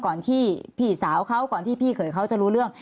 ก่อนที่พี่สาวเขาก่อนที่พี่เขยเขาจะรู้เรื่อง